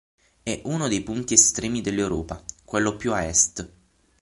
È uno dei punti estremi dell'Europa: quello più a est.